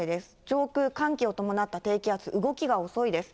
上空、寒気を伴った低気圧、動きが遅いです。